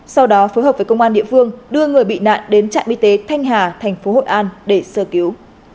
sau đó phối hợp với công an địa phương đưa người bị nạn đến trạm y tế thanh hà thành phố hội an để sơ cứu